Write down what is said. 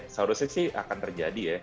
seharusnya sih akan terjadi ya